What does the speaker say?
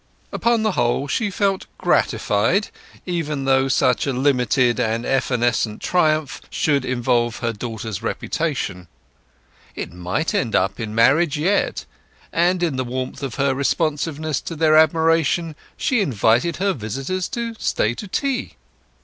Upon the whole she felt gratified, even though such a limited and evanescent triumph should involve her daughter's reputation; it might end in marriage yet, and in the warmth of her responsiveness to their admiration she invited her visitors to stay to tea.